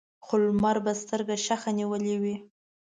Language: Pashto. خو لمر به سترګه شخه نیولې وي.